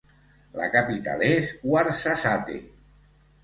La capital és Ouarzazate.